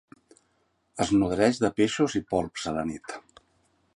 Es nodreix de peixos i polps a la nit.